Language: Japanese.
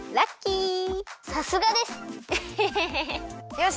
よし！